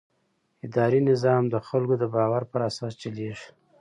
اداري نظام د خلکو د باور پر اساس چلېږي.